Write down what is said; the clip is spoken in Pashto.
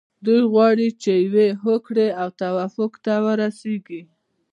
دوی غواړي یوې هوکړې او توافق ته ورسیږي.